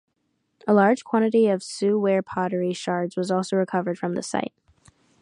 A large quantity of Sue ware pottery shards was also recovered from the site.